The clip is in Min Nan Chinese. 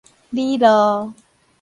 理路